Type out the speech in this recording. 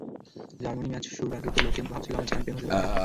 Germany match শুরুর আগেও তো লোকে ভাবছিল আমরা চ্যাম্পিয়ন হতে পারি।